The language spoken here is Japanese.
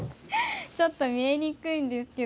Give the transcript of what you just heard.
ちょっと見えにくいんですけど。